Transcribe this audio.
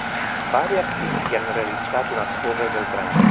Vari artisti hanno realizzato una cover del brano.